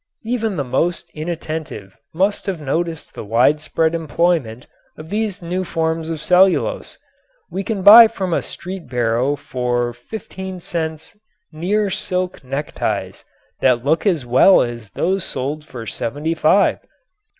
Even the most inattentive must have noticed the widespread employment of these new forms of cellulose. We can buy from a street barrow for fifteen cents near silk neckties that look as well as those sold for seventy five.